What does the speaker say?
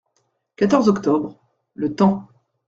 quatorze octobre., Le Temps.